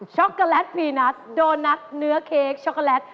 ็อกโกแลตพรีนัสโดนัทเนื้อเค้กช็อกโกแลต